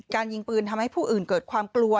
ยิงปืนทำให้ผู้อื่นเกิดความกลัว